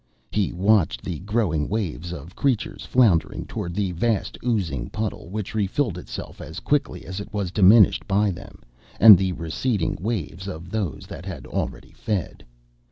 He watched the growing waves of creatures floundering toward the vast oozing puddle, which refilled itself as quickly as it was diminished by them, and the receding waves of those that had already fed.